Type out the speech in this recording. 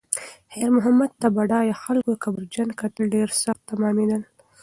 خیر محمد ته د بډایه خلکو کبرجن کتل ډېر سخت تمامېدل.